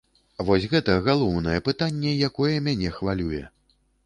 Вось гэта галоўнае пытанне, якое мяне хвалюе.